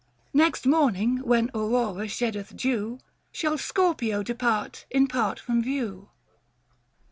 Next morning when Aurora sheddeth dew, Shall Scorpio depart in part from view.